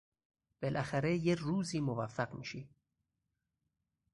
بالاخره یه روزی موفق میشی!